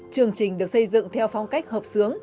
chương trình được xây dựng theo phong cách hợp sướng